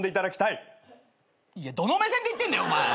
いやどの目線で言ってんだお前。